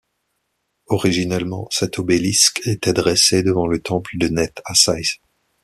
Originellement cet obélisque était dressé devant le temple de Neith à Saïs.